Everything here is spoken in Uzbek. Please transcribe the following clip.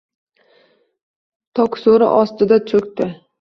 Tokso‘ri ostida cho‘kdi.